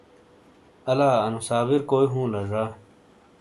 الا انو صابر کوئی ہوں لا ڙا؟